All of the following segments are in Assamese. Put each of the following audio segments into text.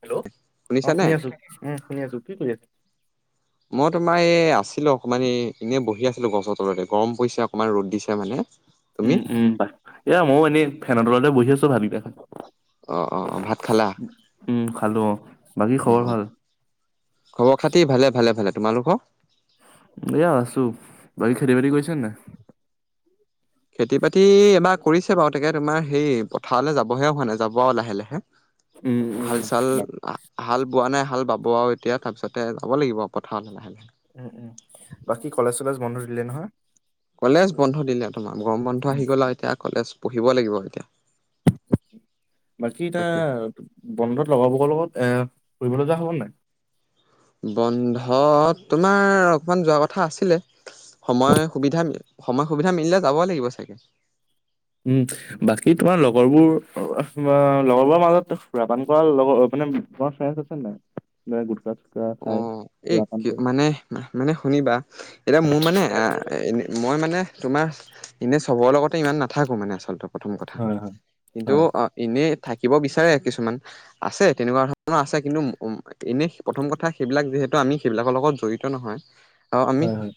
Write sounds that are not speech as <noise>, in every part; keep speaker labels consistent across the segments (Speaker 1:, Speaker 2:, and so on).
Speaker 1: হেল্ল' অ
Speaker 2: শুনিছানে?
Speaker 1: শুনি আছোঁ উম' শুনি আছোঁ কি কৰি আছা?
Speaker 2: মই তোমাৰ এই আছিলোঁ অকমান এই এনে বহি আছিলোঁ। গছৰ তলতে গৰম পৰিছে অকনমান ৰ'দ দিছে মানে। তুমি?
Speaker 1: উম', উম',। পাই এয়া ময়ো এনেই ফেনৰ তলতে বহি আছোঁ ভাত গিটা খাই।
Speaker 2: অ' অ' অ' ভাত খালা?
Speaker 1: উম', খালো অ' বাকী
Speaker 2: অ'
Speaker 1: খবৰ
Speaker 2: অ'
Speaker 1: ভাল?
Speaker 2: খবৰ খাতি ভালে ভালে ভালে তোমালোকৰ?
Speaker 1: এইয়া আছোঁ বাকি খেতি-বাতি কৰিছা নে নাই?
Speaker 2: খেতি -বাতি এবাৰ কৰিছে বাৰু গতিকে তোমাৰ হেৰি পথাৰলৈ যাবহে হোৱা নাই। যাব আৰু লাহে লাহে।
Speaker 1: উম উম
Speaker 2: হাল -চাল
Speaker 1: বা
Speaker 2: হা হা হাল, বোৱা নাই হাল বাব আৰু এতিয়া তাৰপিছতে যাব লাগিব পথাৰৰ পিনে।
Speaker 1: উম-উম বাকী কলেজ - চলেজ বন্ধ দিলে নহয়?
Speaker 2: কলেজ বন্ধ দিলে তোমাৰ গৰম বন্ধ
Speaker 1: উম
Speaker 2: আহি গ'ল আৰু এতিয়া কলেজ পঢ়িব লাগিব অ, এতিয়া।
Speaker 1: বাকী এতিয়া
Speaker 2: তাকে
Speaker 1: বন্ধত লগৰবোগলগত এ ফুৰিবলৈ যোৱা হ'ব নে নাই?
Speaker 2: বন্ধত তোমাৰ অকমান যোৱা কথা আছিলে। সময় সুবিধা-সময় সুবিধা মিলিলে যাবই লাগিব চাগে।
Speaker 1: উম, বাকী তোমাৰ লগৰবোৰ <unintelligible> লগৰবোৰৰ মাজত সুৰা পান কৰা লগৰ <unintelligible> তোমাৰ ফেনচ আছে নে নাই যে গুটকা চুটকা খাই?
Speaker 2: এ
Speaker 1: সুৰাপান
Speaker 2: কি
Speaker 1: কৰে
Speaker 2: মানে-মানে শুনিবা এতিয়া মোৰ মানে আহ মই মানে তোমাৰ এনে চবৰ লগতে ইমান নাথাকো মানে আচলতে প্ৰথম কথা
Speaker 1: হয় হয়
Speaker 2: কিন্তু
Speaker 1: হয়
Speaker 2: অ, এনেই থাকিব বিচাৰে কিছুমান আছে তেনেকুৱা ধৰণৰ আছে কিন্তু উম-উম এনে প্ৰথম কথ থা সেইবিলাক যিহেতু আমি সেইবিলাকৰ লগত জড়িত নহয় অ, আমি
Speaker 1: হয় হয়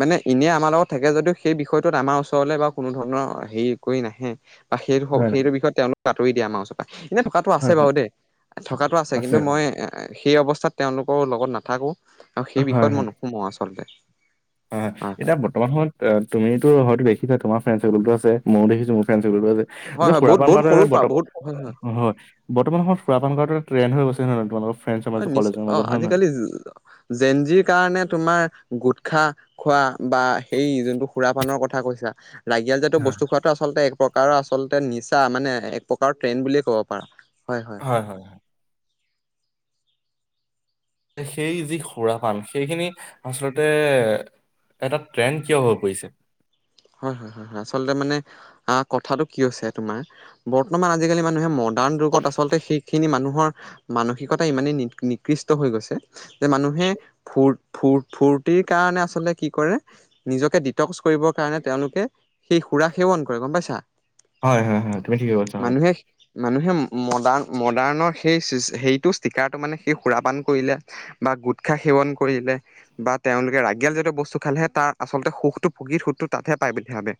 Speaker 2: মানে এনে আমাৰ লগত থাকে যদিও সেই বিষয়টোত আমাৰ ওচৰলে বা কোনো ধৰণৰ হেৰি কৰি নাহে বা সেইটো দিখৌ
Speaker 1: হয়
Speaker 2: সেইটো বিষয়ত তেওঁলোক আঁতৰি দিয়ে আমাৰ ওচৰ পাই। এনে থকাতটো আছে
Speaker 1: হয় হয়
Speaker 2: বাৰু দেই, থকাটো আছে। কিন্তু মই সেই অৱস্থাত তেওঁলোকৰ লগত নাথাকোঁ, আৰু সেই
Speaker 1: হয়
Speaker 2: বিষয়ত
Speaker 1: হয়
Speaker 2: মই নুসোমোওঁ আচলতে।
Speaker 1: হয় হয় এতিয়া বৰ্তমান সময়ত তুমিতো হয়তো দেখিছা তোমাৰ ফ্ৰেণ্ডচৰকোলটো আছে মইও দেখিছো মোৰ ফ্ৰে
Speaker 2: হয়
Speaker 1: যে
Speaker 2: হয় বহুত
Speaker 1: সুৰাপান
Speaker 2: বহুত
Speaker 1: গাঁৱ এটা
Speaker 2: সৰুৰ
Speaker 1: হয়
Speaker 2: পৰা বহুত হয় হয়
Speaker 1: বৰ্তমান সময়ত সুৰাপান গাঁৱত এটা ট্ৰেন হৈ গৈ হয়নে নহয় তোমালোকৰ ফ্ৰে
Speaker 2: অ নিচ অ আজিকালি জেনজিৰ কাৰণে তোমাৰ গোটখা খোৱা বা সেই যোনটো সুৰাপানৰ কথা কৈছা ৰাগিয়াল জাতিয়
Speaker 1: হয়
Speaker 2: বস্তু খোৱাতো আচলতে এক প্ৰকাৰৰ আচলতে নিচা মানে এক প্ৰকাৰৰ ট্ৰেন বুলিয়ে ক'ব পাৰা। হয় হয়
Speaker 1: হয়-হয়-হয় এ সেই যি খুৰাপান সেইখিনি আচলতে এটা ট্ৰেণ্ড কিয় হৈ পৰিছে?
Speaker 2: হয়-হয়-হয়-হয় আচলতে মানে আহ কথাটো কি হৈছে তোমাৰ বৰ্তমান আজিকালি মানুহে মদ ৰ্দান ৰোগত আচলতে সেইখিনি মানুহৰ মানসিকতা ইমানেই নিকৃষ্ট হৈ গৈছে যে মানু হে ফুৰ-ফুৰ- ফুৰ্তিৰ কাৰণে আচলতে কি কৰে নিজকে ডিতক্স কৰিব কাৰণে তেওঁলোকে সেই সুৰা সেৱন কৰে গম পাইছা
Speaker 1: হয় হয় হয় তুমি ঠিকে কৈছা হয়
Speaker 2: মানুহে- মানুহে মডাৰ্ণ মডাৰ্ণৰ সেই সেইটো ষ্টিকাৰটো মানে সেই সুৰাপান কৰিলে বা গোট খাই পুৰন কৰিলে বা তেওঁলোকে ৰাগিয়াল যাটিয় বস্তু খালেহে তাৰ আচলতে সুখটো প্ৰকিত সুখটো তাত হে পায় বুলি ভাবে।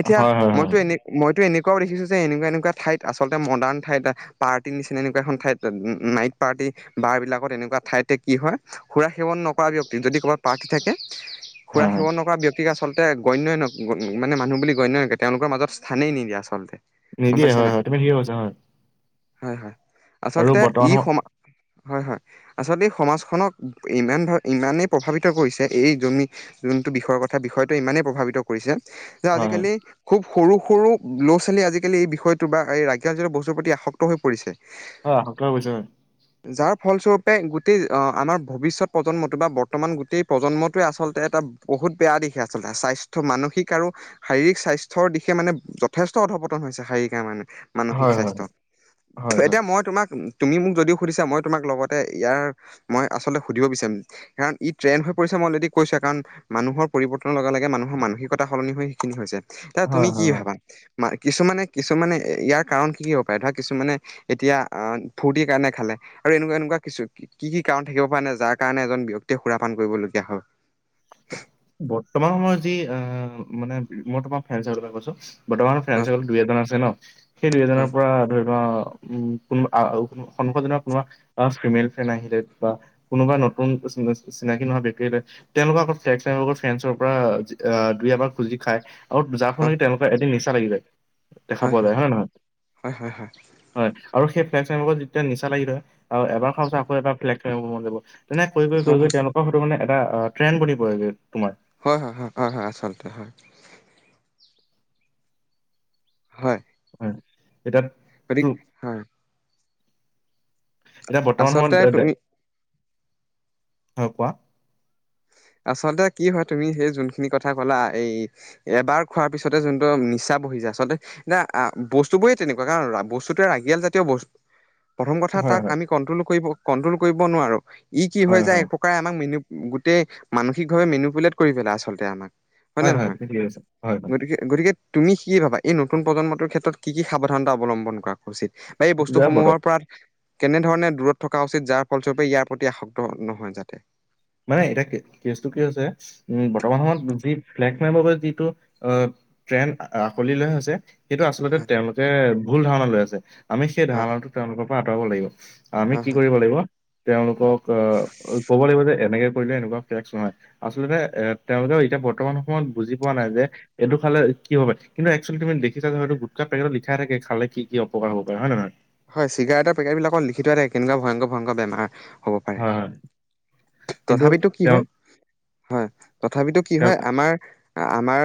Speaker 2: এতিয়া
Speaker 1: হয় হয় হয়
Speaker 2: মইতো এনে মইতো এনে দেখছো যে এনেকুৱা এনেকুৱ ঠাইত আচলতে মডাৰ্ণ ঠাইত পাৰ্টি নিচিনা একুৱা এখন ঠাইত নাইট পাৰ্টি বাৰ বিলাকত এনেকুৱা ঠাইতে কি হয় সুৰা সেৱন নকৰা ব্যক্তি যদি ক'ৰবাত পাৰ্টি থাকে খুৰা
Speaker 1: হয় হয়
Speaker 2: সেৱন নকৰা ব্যক্তিক আচলতে গণ্যই মানে মানুহ বুলি গণ্যই নকে তেওঁলোকৰ মাজত স্থানেই নিদিয়ে আচলতে। গম
Speaker 1: নিদিয়ে
Speaker 2: পাইছা নাই
Speaker 1: হয় হয় তুমি ঠিক কৈছা হয়।
Speaker 2: হয় হয়
Speaker 1: আৰু
Speaker 2: আচলতে
Speaker 1: বৰ্তমান
Speaker 2: ই
Speaker 1: সময়
Speaker 2: সমা হয় হয় আচলতে সমাজখনক ইমান ভাৱ ইমানেই প্ৰভাৱিত কৰিছে এই জমি যোনটো বিষয়ৰ কথা, বিষয়টোৱে ইমানেই প্ৰভাৱিত কৰিছে যে
Speaker 1: হয় হয়
Speaker 2: আজিকালি খুব সৰু সৰু ল'ৰা ছোৱালীয়ে আজিকালি এই বিষয়টো বা এই ৰাগিয়াল জাতিয় বস্তুৰ প্ৰতি আসক্ত হৈ পৰিছে।
Speaker 1: অ' আসক্ত হৈ পৰিছে।
Speaker 2: যাৰ ফলস্বৰূপে গোটেই আমাৰ ভৱিষ্যত প্ৰজন্মটো বা বৰ্তমান গোটেই প্ৰজন্মটোৱে আচলতে এটা বহুত বেয়া দিশে আচল স্বাস্থ মানসিক আৰু শাৰীৰিক স্বাস্থ্যৰ দিশে মানে যথেষ্ট অধপতন হৈছে শাৰীৰিক মানে। মানসিক
Speaker 1: হয় হয়
Speaker 2: স্বাস্থ্য,
Speaker 1: হয় হয়
Speaker 2: এতিয়া মই তোমাক তুমি মোক যদিও সুধিছা মই তোমাক লগতে ইয়াৰ মই আচলতে সুধিব বিচাৰিম কাৰণ ই ট্ৰেন হৈ পৰিছে। মই অলৰেদি কৈছোৱে কাৰণ মানুহৰ পৰিৰ্বতন লগে লগে মানুহৰ মানসিকতা সলনি হৈ সেইখিনি হৈছে, এ
Speaker 1: হয়
Speaker 2: তুমি
Speaker 1: হয় হয়
Speaker 2: কি
Speaker 1: হয়
Speaker 2: ভাবা? বা কিছুমানে কিছুমানে ইয়াৰ কাৰণ কি কি হ'ব পাৰে ধৰা কিছুমানে এতিয়া ফূৰ্তিৰ কাৰণে খালে আৰু এনেকুৱা এনেকুৱা কিছু কি কি কাৰণ থাকিব পৰে যাৰ কাৰণে এজন ব্য্ক্তিয়ে সুৰাপান কৰিবলগীয়া হয়?
Speaker 1: বৰ্তমান সময়ত যি অ মানে মই তোমাৰ ফ্ৰেণ্ডৰ্চকোলৰ পৰা কৈছো বৰ্তমান ফ্ৰেণ্ডসকল দুই এজন আছে ন সেই দুই
Speaker 2: হয়
Speaker 1: এজনৰ পৰা ধৰি লোৱা উ কোন সন্মুখত কোনোবা ফিমেল ফেন আহিলে বা কোনোবা নতুন চিনাকি নহোৱা ব্যক্তি আহিলে তেওঁলোকৰ আ তেওঁলোকৰ ফ্ৰেণ্ডৰ পৰা দুই এবাৰ খুজি খায় আৰু যাৰ সলনি তেওঁলোকৰ এদিন নি লাগি য দেখা
Speaker 2: হয়
Speaker 1: পোৱা যায় হয়ে নহয়
Speaker 2: হয় হয় হয় হয় হয় হয়
Speaker 1: হয়। আৰু সেই ফ্ৰণ্ডৰ্চাকলত যেতিয়া নিচা লাগি থয় আৰু এবাৰ খোৱাৰ পাছ আকৌ এাৰ ফ্লেগ চম মন যাব। তেনে কৈ গৈ কৈ গৈ তেওঁলোকৰ হয়তো মানে এটা ট্ৰেন বনি পৰেগৈ তোমাৰ।
Speaker 2: হয় হয় হয় হয় আচলতে হয়। হয়।
Speaker 1: হয় <unintelligible> টো
Speaker 2: গতিক হয়
Speaker 1: এতিয়া বৰ্তমান
Speaker 2: আচলতে
Speaker 1: সময়ত এ,
Speaker 2: তুমি
Speaker 1: হয় কোৱা?
Speaker 2: হয় <inaudible> আচলতে কি হয় তুমি সেই যোনখিনি কথা কলা, এই এবাৰ খোৱাৰ পিছতে যোনটো নিচা বহি আচলতে এতিয়া আ বস্তু বোৰে তেনেকুৱা, কাৰণ বস্তুত ৰাগিয়াল জাতীয় বস্তু, প্ৰথম কথা
Speaker 1: হয়
Speaker 2: তাক
Speaker 1: হয়
Speaker 2: আমি কণ্ট্ৰল কৰিব কণ্ট্ৰল কৰিব নোৱাৰোঁ। ই কি হয় যায় এক প্ৰকাৰে আমাক মেন গোটেই মানসিকভাৱে মেনপুলেট কৰি পেলাই আচলতে আমাক। হয় নে নহয়?
Speaker 1: ঠিকেই আছে হয় হয়
Speaker 2: গতিকে গতিকে, তুমি কি ভাবা এই নতুন প্ৰজন্মটোৰ ক্ষেত্ৰত কি সাৱধানতা অৱলম্বন কৰা উচিত? বা এই
Speaker 1: এতিয়া বৰ্তমান
Speaker 2: বস্তুসমূহৰ পৰা কেনেধৰণে দূৰত থকা উচিত যাৰ ফলস্বৰূপে ইয়াৰ প্ৰতি আসক্ত নহয় যাতে।
Speaker 1: মানে এতিয়া কেচ টো কি হৈছে উম বৰ্তমান সময়ত যি ফ্লেগম বাবে যিটো ট্ৰেণ্ড আকোৱালি লৈ হৈছে সেইটো আচলতে
Speaker 2: হয়
Speaker 1: তেওঁলোকে ভুল ধাৰণা লৈ আছে আমি সেই
Speaker 2: হয়
Speaker 1: ধাৰণাটো তেওঁলোকৰ পৰা আঁতৰাব লাগিব। আমি
Speaker 2: হয়
Speaker 1: কি কৰিব লাগিব তেওঁলোকক আহ ক'ব লাগিব যে এনেকে কৰিলে এনেকুৱা ফে্ছ নাহয়, আচলতে এ তেওঁলোকেও এতিয়া বৰ্তমান সময়ত বুজি পোৱা নাই যে এইটো খালে কি হব পাৰে কিন্তু একচুৱেলি তুমি দেখিছা যে হয়টো গুটকা পেকটত লিখাই থাকে খালে কি কি অউপকাৰ হব পাৰে হয় নে নহয়
Speaker 2: হয় চিগাৰেটৰ পেকেট বিলাক লিখি থোৱাই কেনেকুৱা ভয়ংকৰ ভয়ংকৰ বেমাৰ হ'ব পাৰে
Speaker 1: হয় হয় কিন্তু
Speaker 2: তথাপিতো কি
Speaker 1: তেওঁ
Speaker 2: হয় হয় তথাপিতো কি
Speaker 1: তেওঁ
Speaker 2: হয় আমাৰ আমাৰ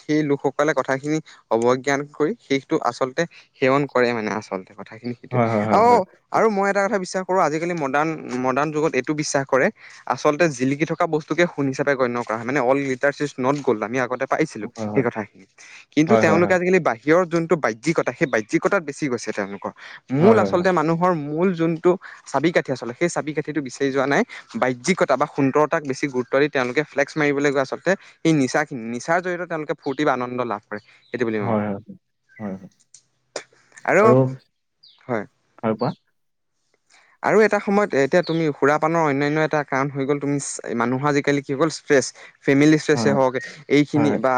Speaker 2: সেই লোকসকলে কথাখিনি অৱজ্ঞান কৰি শেষটো আচলতে সেৱন কৰে মানে আচলতে কথাখিনি সেইটোৱে
Speaker 1: হয় হয় হয়
Speaker 2: আহ
Speaker 1: হয়
Speaker 2: আৰু মই এটা কথা বিশ্বাস কৰো আজিকালি মডাৰ্ণ মডাৰ্ণ যুগত এইটো বিশ্বাস কৰে আচলতে জিলিকি থকা বস্তুকে সোণ হিচাপে গণ্য কৰা হয় মানে all litre is not gold আমি আগতে পাইছিলো
Speaker 1: হয়
Speaker 2: সেই
Speaker 1: হয়
Speaker 2: কথাখিনি কিন্তু
Speaker 1: হয় হয় হয়
Speaker 2: তেওঁলোকে আজিকালি বাহিৰ ৰ যোনটো বাহ্যিকতা সেই বাহ্যিকতাত বেছি গৈছে তেওঁলোক
Speaker 1: হয়
Speaker 2: মূল
Speaker 1: হয় হয় হয়
Speaker 2: আচলতে মানুহৰ মূল যোনটো চাবি কাঠি আচলতে সেই চাবি কাঠিটো বিচাৰি যোৱা নাই বাহ্যিকতা বা সুন্দৰতাক বেছি গুৰুত্ব দি তেওঁলোকে ফ্লেক্স মাৰিবলৈ গোৱা আচলতে সেই নিচাখিনি নিচাৰ জৰিয়তে তেওঁলোকে ফূৰ্তি বা আনন্দ লাভ কৰে সেইটো বুলি
Speaker 1: হয়,
Speaker 2: মই
Speaker 1: হয়,
Speaker 2: ভাবো
Speaker 1: হয়, হয়। আৰু
Speaker 2: হয়
Speaker 1: আৰু কোৱা
Speaker 2: আৰু এটা সময়ত এতিয়া তুমি সুৰা পানৰ অন্যায় এটা কাৰণ হৈ গ'ল তুমি মানুহৰ আজিকালি কি হ'ল ষ্ট্ৰেচ ফেমিলি ষ্ট্ৰেছে
Speaker 1: হয়,
Speaker 2: হওক এইখিনি
Speaker 1: হয়,
Speaker 2: বা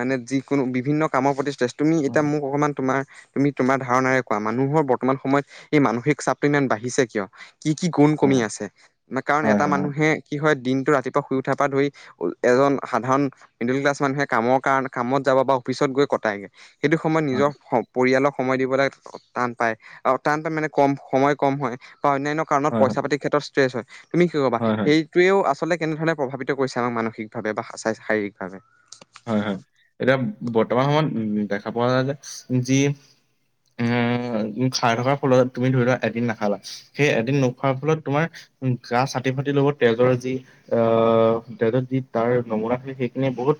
Speaker 2: মানে যিকোনো বিভিন্ন কামৰ প্ৰতি ষ্ট্ৰেছ তুমি
Speaker 1: হয়,
Speaker 2: এতিয়া মোক অকণমান তোমাৰ তুমি তোমাৰ ধাৰণাৰে কোৱা মানুহৰ বৰ্তমান সময়ত এই মানসিক চাপটো ইমান বাঢ়িছে কিয় কি কি গুণ
Speaker 1: হয়,
Speaker 2: কমি আছে কাৰণ
Speaker 1: হয়,
Speaker 2: এটা
Speaker 1: হয়,
Speaker 2: মানুহে কি হয় দিন টো ৰাতিপুৱা শুই উঠাৰ পৰা ধৰি এজন সাধাৰণ মিডোল ক্লাছ মানুহে কামৰ কাৰণে কামত যাব বা অফিচত গৈ কটাইগে সেইটো সময়ত
Speaker 1: হয়,
Speaker 2: নিজৰ পৰিয়ালৰ সময় দিব লাগে টান পায় আহ টান পায় মানে কম সময় কম হয় বা অন্যান্য কাৰণত
Speaker 1: হয়, হয়,
Speaker 2: পইচা পাতিৰ ক্ষেত্ৰত ষ্ট্ৰেছ হয় তুমি কি ক'বা
Speaker 1: হয়, হয়,
Speaker 2: সেইটোৱেও আচলতে কেনে ধৰণে প্ৰভাৱিত কৰিছে আমাক মানসিকভাৱে বা শাৰীৰিকভাৱে।
Speaker 1: হয় হয় এতিয়া বৰ্তমান সময়ত উম দেখা পোৱা যায় যে যি। উ খাই থকাৰ ফলত তুমি ধৰি লোৱা এদিন নাখালা, সেই এদিন নোখোৱাৰ ফলত তোমাৰ গা চাটি ফাটি লগত তেজৰ যি আহ তেজত যি তাৰ নমুনা থাকে সেইখিনি বহুত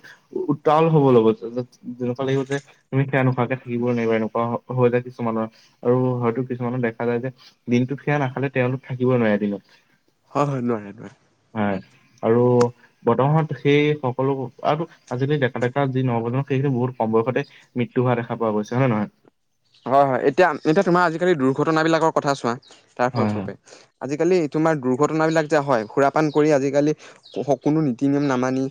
Speaker 1: উতাল হব লগত এনেকুৱা লাগিব যে তুমি সেয়া নোখোৱাকে থাকিবই নোৱাৰিবা এনেকুৱা হৈ যায় কিছুমান, আৰু হয়তো কিছুমানৰ দেখা যায় যে দিনতটো সেয়া নাখালে তেওঁলোক থাকিবই নোৱাৰে দিনত।
Speaker 2: হয় হয় নোৱাৰে নোৱাৰে।
Speaker 1: হয় আৰু বৰ্তমানত সেই সকলো। আজিকালি ডকা ডেকা যি নগজনক সেইখিনি বহুত কম বয়সতে মৃত্যু হোৱা দেখা পোৱা গৈছে হয় নে নহয়?
Speaker 2: হয় হয় এতিয়া এতিয়া তোমাৰ আজিকালি দুৰ্ঘটনা বিলাকৰ কথা চোৱা তাৰ
Speaker 1: হয় হয়
Speaker 2: ফলস্বৰূপে আজিকালি তোমাৰ দুৰ্ঘটনা বিলাক যে হয় সুৰাপান কৰি আজিকালি স কোনো নীতি নিয়ম নামানি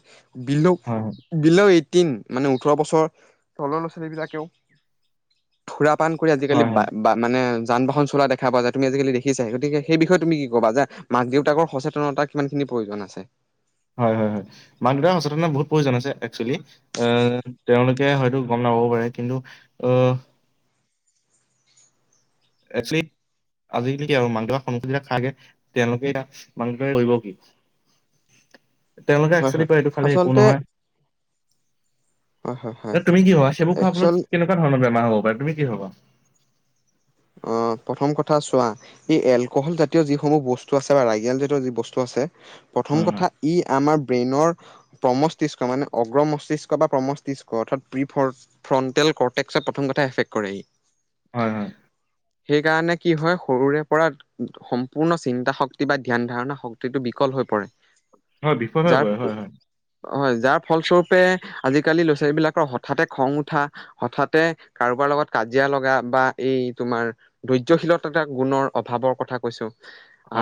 Speaker 2: বিলো
Speaker 1: হয় হয়
Speaker 2: বিলো এই ন মানে ওঠৰ বছৰ তলৰ ল'ৰা ছোৱালীবিলাকেও ফুৰা পান কৰি
Speaker 1: হয়
Speaker 2: আজিকালি
Speaker 1: হয়
Speaker 2: বা বা মানে যান বাহন চলা দেখা পোৱা যায়, তুমি আজিকালি দেখিছাই, গতিকে সেই বিষয়ে তুমি ক'বা মাক দেউতাকৰ সচেতনতা কিমানখিনি প্ৰয়োজন আছে।
Speaker 1: হয় হয় হয়, মাক দেউতাৰ সচেতনতা বহুত প্ৰয়োজন আছে। একচোৱেলি, আহ তেওঁলোকে হয়তো গম নাপাব পাৰে কিন্তু আহ একচুৱেলি আজিকালি কি আৰু মাক দেউতাকৰ লগত দেউহ <unintelligible> সন্কু যেতি খাকাগে তেওঁলোকে
Speaker 2: <unintelligible>
Speaker 1: তেওঁলোকে
Speaker 2: হয়
Speaker 1: একচুৱেলি
Speaker 2: হয়
Speaker 1: কয় এইটো খালি একো
Speaker 2: আচলতে
Speaker 1: নহয়।
Speaker 2: হয় হয় হয়
Speaker 1: তুমি কি ভাবা সেইবোৰ খোৱা
Speaker 2: একচুৱেল
Speaker 1: ফলত কেনেকুৱা ধৰণৰ বেমাৰ হব পাৰো তুমি কি ভাবা?
Speaker 2: অ প্ৰথম কথা চোৱা এই এলকহল জাতীয় যিসমূহ বস্তু আছে বা ৰাইগিয়েল জাতীয় যি বস্তু আছে, প্ৰথম
Speaker 1: হয়, হয়।
Speaker 2: কথা ই আমাৰ প্ৰথম ব্ৰেইনৰ প্ৰশস্তি <unintelligible> কৰ্টেক্সই প্ৰথম কথা এফেক্ট কৰেহি।
Speaker 1: হয় হয়।
Speaker 2: সেই কাৰণে কি হয় সৰুৰে পৰা সম্পূৰ্ণ চিন্তা শক্তি বা ধ্যান ধাৰণা শক্তিটো বিকল হয় হৈ পৰে।
Speaker 1: হয় বিফল হৈ পৰে হয় হয়।
Speaker 2: হয় হয় যাৰ ফলস্বৰূপে আজিকালি ল'ৰা ছোৱালীবিলাকৰ হঠাতে খং উঠা হঠাতে কাৰোবাৰ লগত কাজিয়া লগা বা এই তোমাৰ ধৰ্যশীলতা গুণৰ অভাৱৰ কথা কৈছো,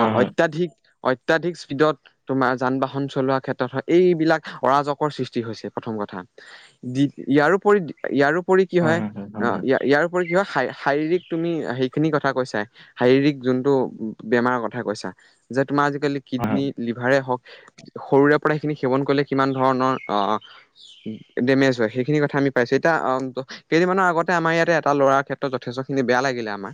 Speaker 2: আহ
Speaker 1: হয়।
Speaker 2: অত্যাধিক অত্যাধিক স্পীডত তোমাৰ যান বাহন চলোৱা ক্ষেত্ৰত হয় এইবিলাক অৰাজকৰ সৃষ্টি হৈছে প্ৰথম ক ইয়াৰোপৰি ইয়াৰো উপৰি কি হয় ইয়াৰোপৰি কি হয় শাৰীৰিক তুমি সেইখিনি কথা কৈছা শাৰীৰিক যোনটো বেমাৰৰ কথা কৈছা যে তোমাৰ আজিকালি
Speaker 1: হয়,
Speaker 2: কিডনী,
Speaker 1: হয়,
Speaker 2: লিভাৰে হওঁক সৰুৰে পৰা সেইখিনি সেৱন কৰিলে কিমান ধৰণৰ ডেমেজ হয় সেইখিনি কথা আমি পাইছোঁ এতিয়া অ', কেইদিনমানৰ আগতে আমাৰ ইয়াতে এটা ল'ৰাৰ ক্ষেত্ৰত যথেষ্ট খিনি বেয়া লাগিলে আমাৰ,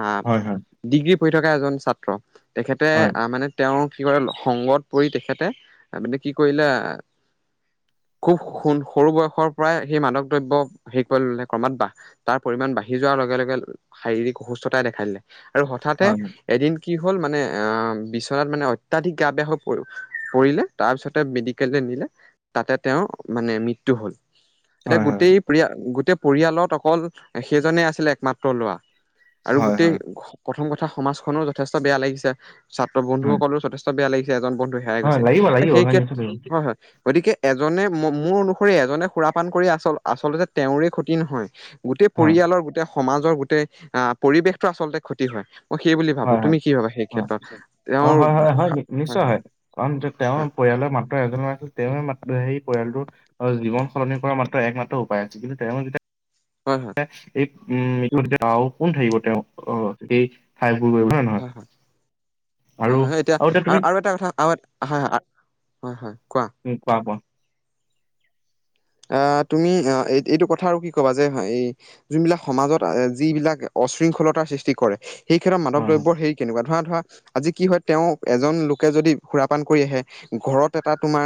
Speaker 2: আহ
Speaker 1: হয়, হয়,
Speaker 2: ডিগ্ৰী পঢ়ি থকা এজন ছাত্ৰ তেখেতে
Speaker 1: হয়,
Speaker 2: মানে তেওঁৰ কি কৰে সংগত পৰি তেখেতে মানে কি কৰিলে খুব সণ সৰু বয়সৰ পৰাই সেই মাদক দ্ৰব্য হেৰি কৰিবলে ক্ৰমৎ তাৰ পৰিমাণ বাঢ়ি যোৱাৰ লগে লগে শাৰীৰিক অসুস্থতাই দেখাই দিলে আৰু হঠাতে
Speaker 1: হয়,
Speaker 2: এদিন কি হ'ল মানে বিচনাত মানে অত্যাধিক গা বেয়া হৈ পৰি পৰিলে তাৰপিছতে মেডিকেল লে তাতে তেওঁৰ মানে মৃত্যু হ'ল। এতিয়া
Speaker 1: হয়, হয়,
Speaker 2: গোটেই পৰি গোটেই পৰিয়ালত অকল সেইজনে আছিলে একমাত্ৰ ল'ৰা। আৰু
Speaker 1: হয়,
Speaker 2: গোটেই
Speaker 1: হয়,
Speaker 2: প্ৰথম কথা সমাজখনো যথেষ্ট বেয়া লাগিছে ছাত্ৰ বন্ধুসকললে যথেষ্ট বেয়া লাগিছে এজন বন্ধু হেৰাই
Speaker 1: হয়,
Speaker 2: গৈছে
Speaker 1: লাগিব লাগিব
Speaker 2: সেই
Speaker 1: হয়
Speaker 2: ক্ষে
Speaker 1: নিশ্চয় লাগিব।
Speaker 2: হয়, হয়। গতিকে এজনে মোৰ অনুসৰি এজনে সুৰাপান কৰি আচল আচলতে তেওঁওৰে ক্ষতি নহয় গোটেই
Speaker 1: হয়,
Speaker 2: পৰিয়ালৰ গোটেই সমাজৰ গোটেই আহ পৰিৱেশটো আচলতে ক্ষতি হয়। মই সেই বুলি ভাবো, তুমি কি ভাবা? সেই
Speaker 1: অ'
Speaker 2: ক্ষেত্ৰত
Speaker 1: অ',
Speaker 2: তেওঁৰ
Speaker 1: হয়, হয়, হয় নিশ্চয় হয়, কাৰণ তেওঁৰ পৰিয়ালৰ মাত্ৰ এজনৰ আছিল তেওঁ তেওঁ ম সেই পৰিয়ালটোৰ জীৱন সলনি কৰা মাত্ৰ একমাত্ৰ উপায় আছে কিন্তু তেওঁ যেতিয়া
Speaker 2: হয় হয়
Speaker 1: উমটো কোন থাকিব তেওঁ আহ এইঠাই
Speaker 2: হা। হয় হয় হয়, এতিয়া আৰু আৰু এটা কথা আ হয়, হয়, হয়, হয়। কোৱা
Speaker 1: উম কোৱা, কোৱা।
Speaker 2: আহ, তুমি এই এইটো কথা আৰু কি ক'বা যে, এই যোনবিলাক সমাজত যিবিলাক অশৃংখলতাৰ সৃষ্টি কৰে, সেই ক্ষেত্ৰত
Speaker 1: হয় হয়
Speaker 2: মাদকদ্ৰব্যৰ হৰি কেনেকুৱা ধৰা ধৰা আজি কি হয়, তেওঁ এজন লোকে যদি সুৰাপান কৰি আহে, ঘৰত এটা তোমাৰ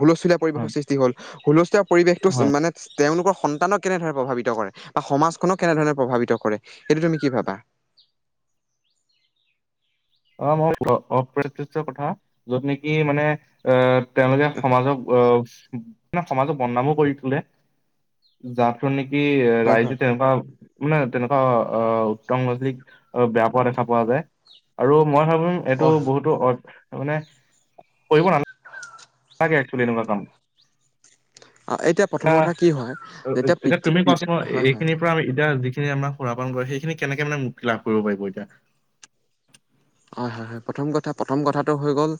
Speaker 2: হুলস্থুলীয়া পৰিৱেশৰ
Speaker 1: হয়
Speaker 2: সৃষ্টি হ'ল, হুলস্থুলীয়া পৰিৱেশটো
Speaker 1: হয়।
Speaker 2: মানে তেওঁলোকৰ সন্তানক কেনেধৰণে প্ৰভাৱিত কৰে, বা সমাজখনক কেনেধৰণে প্ৰভাৱিত কৰে, সেইটো তুমি কি ভাবা। <inaudible>
Speaker 1: অ মই অ, অ, অপ্ৰয়োয্য কথা যত নেকি মানে আহ তেওঁলোকে সমাজক আহ মানে সমাজক বদনামো কৰি তোলে, যাকতনি কি
Speaker 2: হয়
Speaker 1: ৰাইজে
Speaker 2: হয়
Speaker 1: তেনেকুৱা। মানে তেনেকুৱা উত্তং মজলীক বেয়া পোৱা দেখা পোৱা যায়, আৰু মই ভাবিম এইটো
Speaker 2: হয় হয়
Speaker 1: বহুতো মানে কৰিব নালা থাকে একচোৱেলী এনেকুৱা কাম
Speaker 2: অ এতিয়া প্ৰথম
Speaker 1: এয়া
Speaker 2: কথা কি হয় যেতিয়া
Speaker 1: এতিয়া
Speaker 2: পিতৃ
Speaker 1: তুমি
Speaker 2: পি-
Speaker 1: কোৱাচোন ম
Speaker 2: হয় হয়
Speaker 1: এইখিনিৰ পৰা আমি এতিয়া নি আমাৰ সুৰাপান কৰে সেইখিনি কেনেকে মানে মুক্তি লাভ কৰিব পাৰিব এতিয়া?
Speaker 2: হয়, হয়, হয় প্ৰথম কথা প্ৰথম কথাটো হৈ গল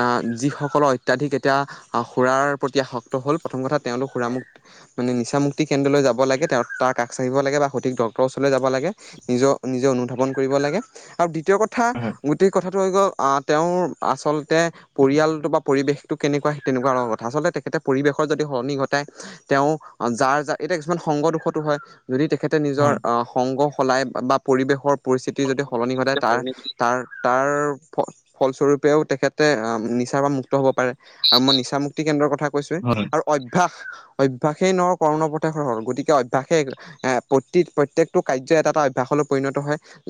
Speaker 2: আহ যিসকলৰ অত্যাধিক এতিয়া সুৰাৰ প্ৰতি আসক্ত হ'ল প্ৰথম কথা তেওঁলোক সুৰামু মানে নিচামুক্ত সিক কেন্দ্ৰলৈ যাব লাগে তেওঁ তাৰ কষ চািব লাগে বা সঠিক ডক্ৰ ওচৰলৈ যাব লাগে নিজৰ নিজে অনুধাৱন কৰিব ল আৰু দ্বিতীয় কথা
Speaker 1: হয়
Speaker 2: গোটেই কথাটো গ'ল তেওঁৰ আচলতে পৰিয়ালটো বা পৰিৱেশটো কেনেকুৱা তেনেকুৱা কথা আচলতে তেখেতে পৰিৱেশৰ যদি সলনি ঘটাই তেওঁ যাৰ যাৰ এতিয়া কিছুমান সংগ দুোখতো হয়। যদি তেখেতে নিজৰ
Speaker 1: হয়
Speaker 2: আহ সংগ সলাই বা পৰিৱেশৰ পৰিস্থিতি যদি সলনি ঘটাই তাৰ ফলস্বৰূপে তে নিচাৰ মুক্ত হ' আৰু মই নিচা মুুক্তি কেন্দ্ৰৰ কথা কৈছোৱয়ে
Speaker 1: হয়
Speaker 2: আৰু অভ্যাস অভ্যাসেই ন কৰ্ণ প্ৰেশ হল গতিকে অভ্যাসে এ প্ৰতি প্ৰত্যেকটো কাৰ্য এটা অভ্যাস পৰিণত হয়।